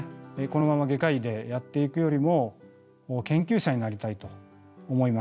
このまま外科医でやっていくよりも研究者になりたいと思いました。